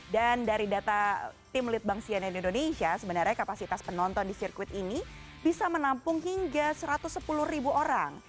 dan dari data tim lead bang sianen indonesia sebenarnya kapasitas penonton di sirkuit ini bisa menampung hingga satu ratus sepuluh ribu orang